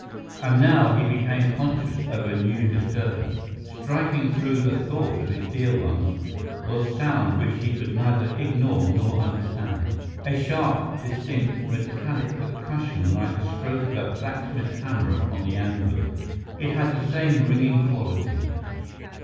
And now he became conscious of a new disturbance. Striking through the thought of his dear ones was sound which he could neither ignore nor understand, a sharp, distinct, metallic percussion like the stroke of a blacksmith's hammer upon the anvil; it had the same ringing quality.